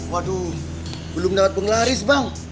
waduh belum dapat penglaris bang